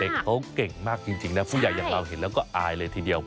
เด็กเขาเก่งมากจริงนะผู้ใหญ่อย่างเราเห็นแล้วก็อายเลยทีเดียว